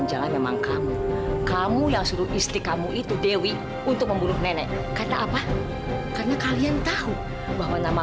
sampai jumpa di video selanjutnya